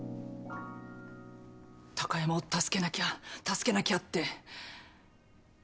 貴山を助けなきゃ助けなきゃって。